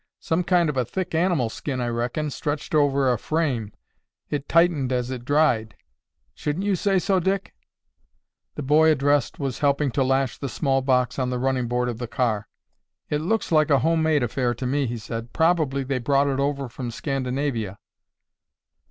"Some kind of a thick animal skin, I reckon, stretched over a frame. It tightened as it dried. Shouldn't you say so, Dick?" The boy addressed was helping to lash the small box on the running board of the car. "It looks like a home made affair to me," he said. "Probably they brought it over from Scandinavia."